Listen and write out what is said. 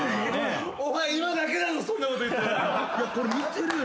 お前今だけだぞそんなこと言ってられるの。